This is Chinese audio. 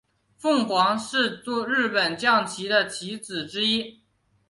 凤凰是日本将棋的棋子之一。